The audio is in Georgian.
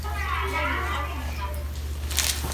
მე მიყვარს ხინკალი